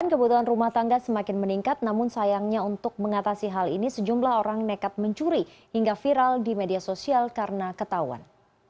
kebutuhan rumah tangga semakin meningkat namun sayangnya untuk mengatasi hal ini sejumlah orang nekat mencuri hingga viral di media sosial karena ketahuan